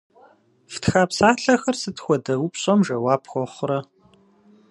Фтха псалъэхэр сыт хуэдэ упщӏэм жэуап хуэхъурэ?